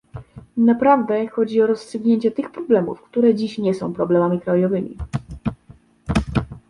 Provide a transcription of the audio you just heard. Naprawdę chodzi o rozstrzygnięcie tych problemów, które dziś nie są problemami krajowymi